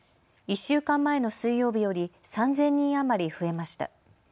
１週間前の水曜日より３０００人余り増えました。